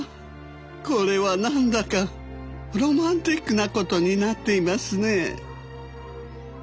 これは何だかロマンチックなことになっていますね